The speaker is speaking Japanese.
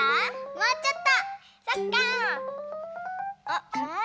もうちょっと。